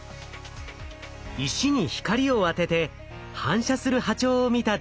石に光を当てて反射する波長を見たデータがこちら。